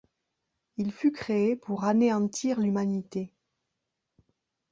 Il fut créé pour anéantir l'humanité.